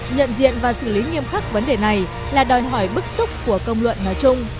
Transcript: nhận diện và xử lý nghiêm khắc vấn đề này là đòi hỏi bức xúc của công luận nói chung